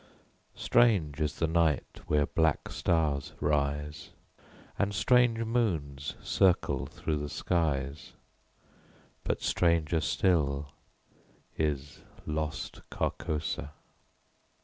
Strange is the night where black stars rise, And strange moons circle through the skies But stranger still is Lost Carcosa.